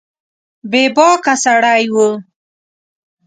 بې باکه سړی و